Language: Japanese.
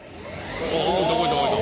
動いた動いた！